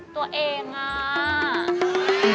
ตัวเองหรือ